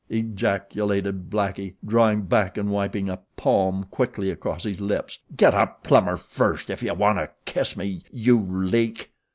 ejaculated Blackie, drawing back and wiping a palm quickly across his lips. "Get a plumber first if you want to kiss me you leak."